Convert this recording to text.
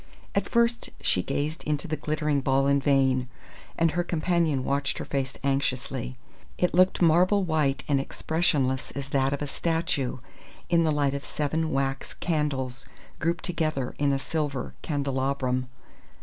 At first she gazed into the glittering ball in vain, and her companion watched her face anxiously. It looked marble white and expressionless as that of a statue in the light of seven wax candles grouped together in a silver candelabrum.